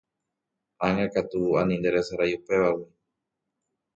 Ág̃akatu ani nderesarái upévagui